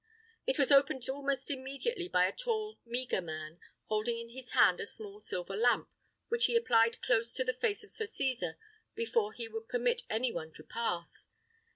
It was opened almost immediately by a tall meagre man, holding in his hand a small silver lamp, which he applied close to the face of Sir Cesar before he would permit any one to pass.